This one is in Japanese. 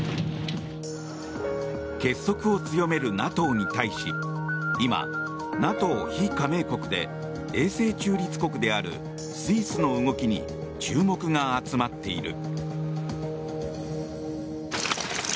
結束を強めるＮＡＴＯに対し今、ＮＡＴＯ非加盟国で永世中立国であるスイスの動きに注目が集まっている。